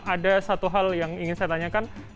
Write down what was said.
ada satu hal yang ingin saya tanyakan